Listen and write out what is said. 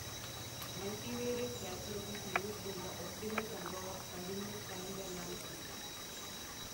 Multivariate calculus is used in the optimal control of continuous time dynamic systems.